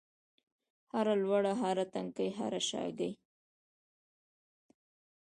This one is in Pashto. هره لوړه، هر تنګی هره شاګۍ